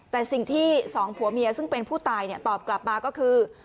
แต่สิ่งที่สองผัวเมียซึ่งเป็นผู้ตายตอบกลับมาก็คือ